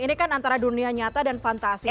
ini kan antara dunia nyata dan fantasi